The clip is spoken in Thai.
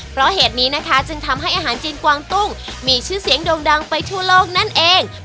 เพราะเหตุนี้นะคะจึงทำให้อาหารจีนกวางตุ้งมีชื่อเสียงโด่งดังไปทั่วโลกนั่นเอง